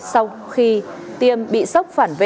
sau khi tiêm bị sốc phản vệ